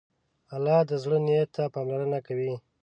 الله د زړه نیت ته پاملرنه کوي.